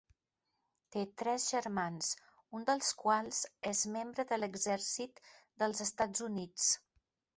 Té tres germans, un dels quals és membre de l'exèrcit dels Estats Units.